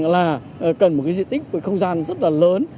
là cần một cái diện tích một cái không gian rất là lớn